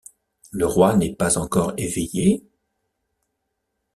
Le roi n’est pas encore éveillé?